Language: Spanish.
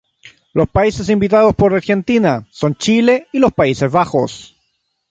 Los países invitados por Argentina son Chile y los Países Bajos.